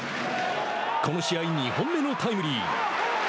この試合、２本目のタイムリー。